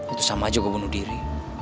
itu sama aja ke bunuh diri